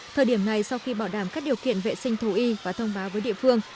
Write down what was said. thời điểm này sau khi bảo đảm các điều kiện vệ sinh thú y và thông báo với địa phương